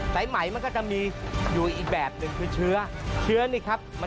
ไสมัยนี่มันจะช้าไม่ได้เลยเพราะช้าเสียทั้งที